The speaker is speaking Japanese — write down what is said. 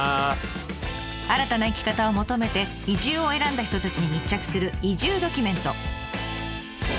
新たな生き方を求めて移住を選んだ人たちに密着する移住ドキュメント。